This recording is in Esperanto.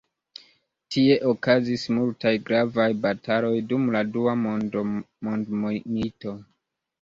Tie okazis multaj gravaj bataloj dum la Dua Mondmilito.